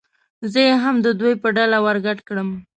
زه یې هم د دوی په ډله ور ګډ کړم.